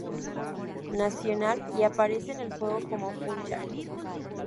Nacional y aparece en el juego como "Funchal".